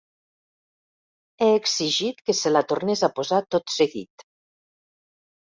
He exigit que se la tornés a posar tot seguit.